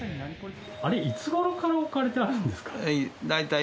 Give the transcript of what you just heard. あれいつ頃から置かれてあるんですか？